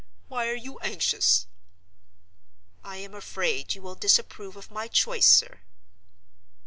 Why are you anxious?" "I am afraid you will disapprove of my choice, sir."